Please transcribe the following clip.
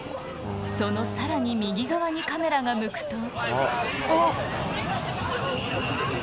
そのさらに右側にカメラが向くと。